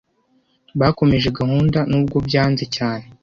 Bakomeje gahunda nubwo babyanze cyane.